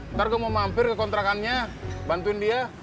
ntar gue mau mampir ke kontrakannya bantuin dia